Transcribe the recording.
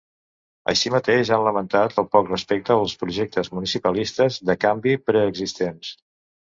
Així mateix, han lamentat el ‘poc respecte’ pels projectes municipalistes de canvi preexistents.